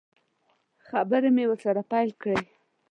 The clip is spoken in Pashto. خبرې مې ورسره پیل کړې.